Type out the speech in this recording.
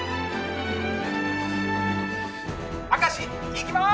明石いきまーす！